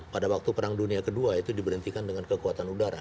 pada waktu perang dunia ii itu diberhentikan dengan kekuatan udara